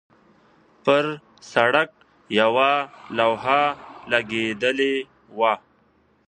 پر سړک یوه لوحه لګېدلې وه.